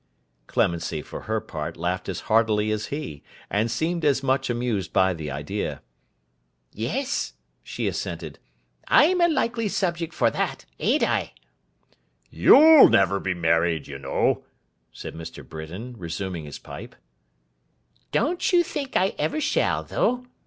Clemency for her part laughed as heartily as he, and seemed as much amused by the idea. 'Yes,' she assented, 'I'm a likely subject for that; an't I?' 'You'll never be married, you know,' said Mr. Britain, resuming his pipe. 'Don't you think I ever shall though?